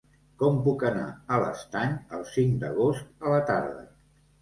Com puc anar a l'Estany el cinc d'agost a la tarda?